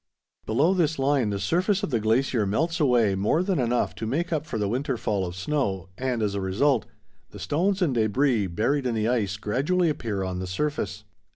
Below this line the surface of the glacier melts away more than enough to make up for the winter fall of snow, and, as a result, the stones and debris buried in the ice gradually appear on the surface.